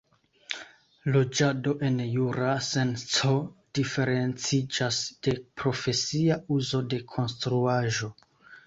Loĝado en jura senco diferenciĝas de profesia uzo de konstruaĵo.